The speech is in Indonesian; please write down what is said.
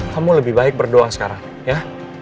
kamu lebih baik berdoa sekarang ya